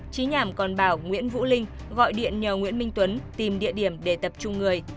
trí nhảm còn bảo nguyễn vũ linh gọi điện nhờ nguyễn minh tuấn tìm địa điểm để tập trung người